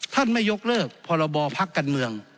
ท่านไม่ยกเลิกพรบพักการเมือง